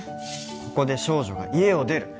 ここで少女が家を出る！